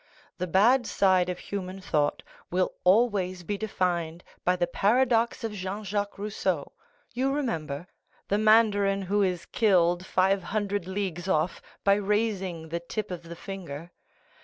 The bad side of human thought will always be defined by the paradox of Jean Jacques Rousseau,—you remember,—the mandarin who is killed five hundred leagues off by raising the tip of the finger.